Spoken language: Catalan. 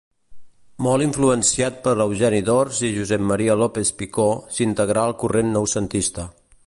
Molt influenciat per Eugeni d'Ors i Josep Maria López-Picó, s'integrà al corrent noucentista.